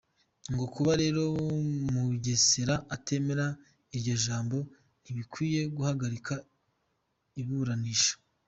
Ngo kuba rero Mugesera atemera iryo jambo, ntibikwiye guhagarika iburanisha.